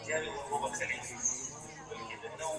د کتاب تر اشو ډېر دي زما پر مخ ښکلي خالونه